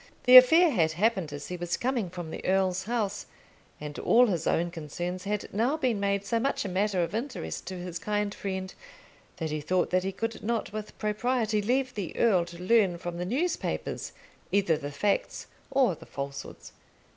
The affair had happened as he was coming from the earl's house, and all his own concerns had now been made so much a matter of interest to his kind friend, that he thought that he could not with propriety leave the earl to learn from the newspapers either the facts or the falsehoods.